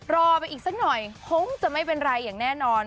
รอไปอีกสักหน่อยคงจะไม่เป็นไรอย่างแน่นอน